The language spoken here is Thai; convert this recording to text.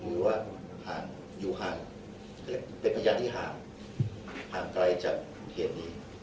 หรือว่าห่างอยู่ห่างเป็นพยายามที่ห่างห่างไกลจากเทมนี้